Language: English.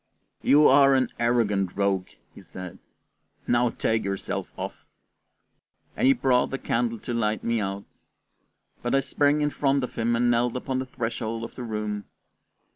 "You are an arrant rogue," he said; "now take yourself off," and he brought the candle to light me out. But I sprang in front of him and knelt upon the threshold of the room.